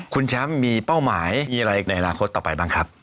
คุณแชมป์มีเป้าหมายมีอะไรในอนาคตต่อไปบ้างครับ